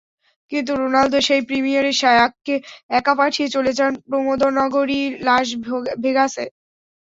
কিন্তু রোনালদো সেই প্রিমিয়ারে শায়াককে একা পাঠিয়ে চলে যান প্রমোদনগরী লাস ভেগাসে।